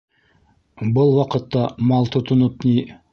Был ваҡытта мал тотоноп ни...